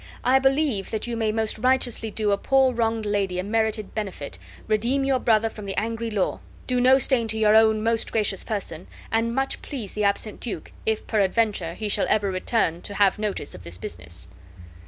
I believe that you may most righteously do a poor wronged lady a merited benefit, redeem your brother from the angry law, do no stain to your own most gracious person, and much please the absent duke, if peradventure he shall ever return to have notice of this business."